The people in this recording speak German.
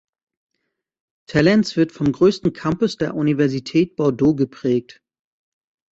Talence wird vom größten Campus der Universität Bordeaux geprägt.